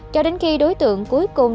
cho đến khi đối tượng cuối cùng